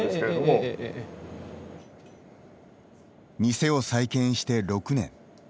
店を再建して６年。